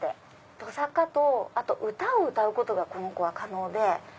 トサカとあと歌を歌うことがこの子は可能で。